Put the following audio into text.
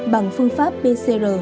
bằng phương pháp pcr